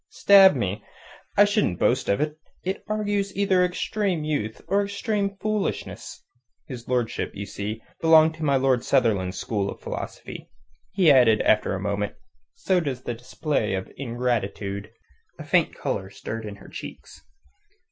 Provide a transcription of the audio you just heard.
Stab me! I shouldn't boast of it. It argues either extreme youth or extreme foolishness." His lordship, you see, belonged to my Lord Sunderland's school of philosophy. He added after a moment: "So does the display of ingratitude." A faint colour stirred in her cheeks.